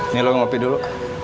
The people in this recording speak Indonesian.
nih lu ngopi dulu